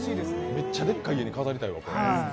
めっちゃでっかい家に飾りたいわ。